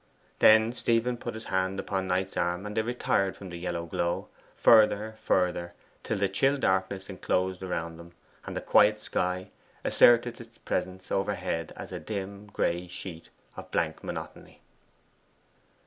Then Stephen put his hand upon Knight's arm, and they retired from the yellow glow, further, further, till the chill darkness enclosed them round, and the quiet sky asserted its presence overhead as a dim grey sheet of blank monotony.